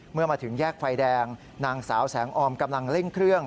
เมื่อมาถึงแยกไฟแดงนางสาวแสงออมกำลังเร่งเครื่อง